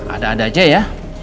ada ada aja ya